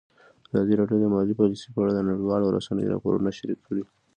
ازادي راډیو د مالي پالیسي په اړه د نړیوالو رسنیو راپورونه شریک کړي.